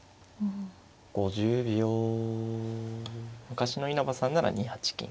昔の稲葉さんなら２八金。